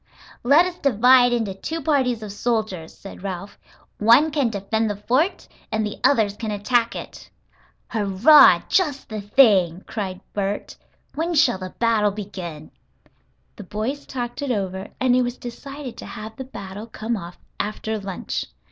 "Let us divide into two parties of soldiers," said Ralph. "One can defend the fort and the others can attack it." "Hurrah! just the thing!" cried Bert. "When shall the battle begin?" The boys talked it over, and it was decided to have the battle come off after lunch.